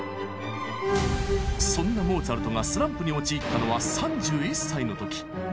そんなモーツァルトがスランプに陥ったのは３１歳の時。